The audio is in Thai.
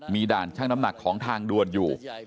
มีด่านช่างน้ำหนักของทางด่วนอยู่